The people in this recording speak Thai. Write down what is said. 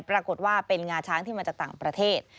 ปรากฏว่าเป็นงาช้างที่มาจากต่างประเทศ